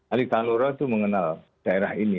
ali kalora itu mengenal daerah ini